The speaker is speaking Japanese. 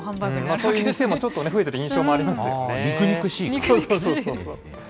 そういう店もちょっと増えてる印象もありますよね。